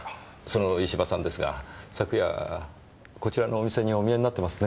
その石場さんですが昨夜こちらのお店にお見えになってますね？